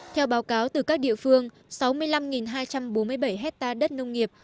theo báo cáo từ các địa phương sáu mươi năm hai trăm bốn mươi bảy hectare đất nông nghiệp